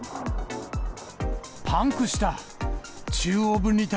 パンクした。